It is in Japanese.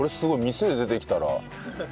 店で出てきたら。